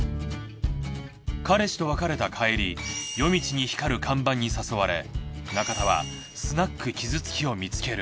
彼氏と別れた帰り夜道に光る看板に誘われ中田はスナックキズツキを見つける。